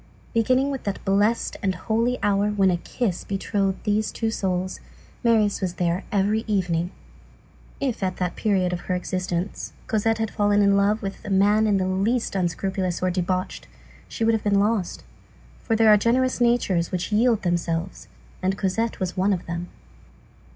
Beginning with that blessed and holy hour when a kiss betrothed these two souls, Marius was there every evening. If, at that period of her existence, Cosette had fallen in love with a man in the least unscrupulous or debauched, she would have been lost; for there are generous natures which yield themselves, and Cosette was one of them.